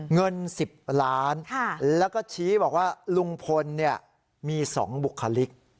เงิน๑๐ล้านแล้วก็ชี้บอกว่าลุงพลมี๒บุคลิก